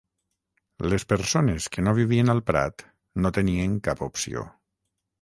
Les persones que no vivien al Prat no tenien cap opció.